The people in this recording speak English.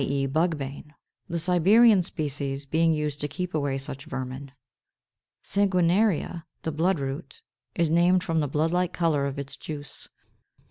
e. Bugbane, the Siberian species being used to keep away such vermin. Sanguinaria, the Bloodroot, is named from the blood like color of its juice.